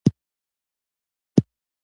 دلته ګڼ شمېر مریان اوسېدل.